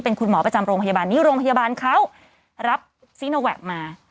เป็นคุณหมอประจำโรงพยาบาลนี้โรงพยาบาลเขารับซีโนแวคมา